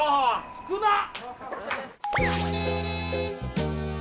少なっ！